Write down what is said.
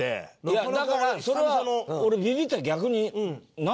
いやだからそれは俺ビビったの逆に。